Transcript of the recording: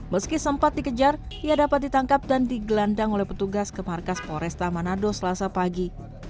meski sempat dikejar ia dapat ditangkap dan digelandang oleh petugas ke markas poresta manado selasa pagi